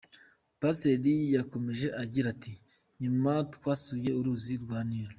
Pasiteri yakomeje agira ati:“Nyuma twasuye uruzi rwa Nil.